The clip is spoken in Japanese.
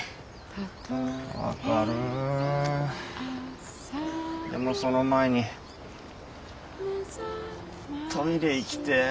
分かるでもその前にトイレ行きてえ。